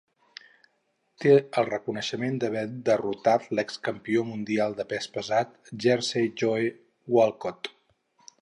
Té el reconeixement d'haver derrotat l'ex campió mundial de pes pesat Jersey Joe Walcott.